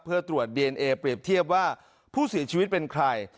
เพื่อตรวจดีเอนเอเปรียบเทียบว่าผู้เสียชีวิตเป็นใคร